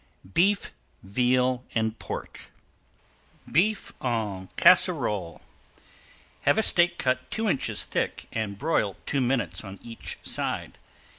BEEF, VEAL AND PORK ~BEEF EN CASSEROLE~ Have a steak cut two inches thick and broil two minutes on each side.